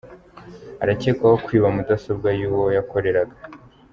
Arakekwaho kwiba mudasobwa y’uwo yakoreraga